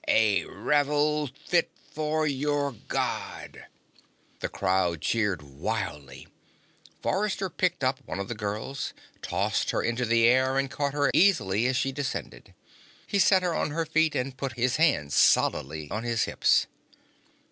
A revel fit for your God!" The crowd cheered wildly. Forrester picked up one of the girls, tossed her into the air and caught her easily as she descended. He set her on her feet and put his hands solidly on his hips.